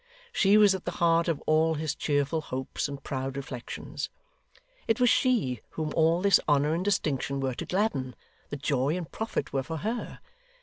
She was at the heart of all his cheerful hopes and proud reflections. It was she whom all this honour and distinction were to gladden; the joy and profit were for her.